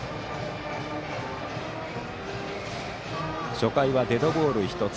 初回はデッドボール１つ。